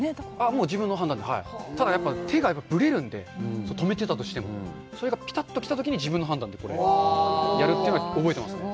もう自分の判断でただやっぱ手がぶれるんで止めてたとしてもそれがぴたっときた時に自分の判断でやるっていうのは覚えてますね